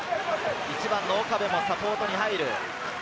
１番・岡部がサポートに入る。